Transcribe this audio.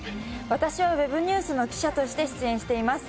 私はウェブニュースの記者として出演しています。